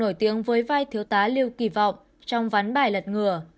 nổi tiếng với vai thiếu tá lưu kỳ vọng trong ván bài lật ngừa